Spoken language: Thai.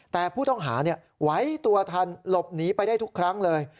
แต่ผู้ต้องหาไหวตัวทันหลบหนีไปได้ทุกครั้งเลย